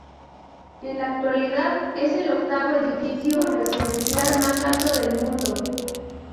En la actualidad, es el octavo edificio residencial más alto del mundo.